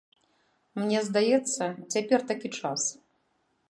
Мне здаецца, цяпер такі час.